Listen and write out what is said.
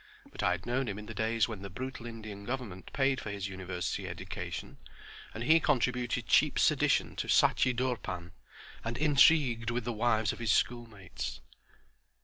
But I had known him in the days when the brutal Indian Government paid for his university education, and he contributed cheap sedition to Sachi Durpan, and intrigued with the wives of his schoolmates.